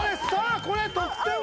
これ得点は？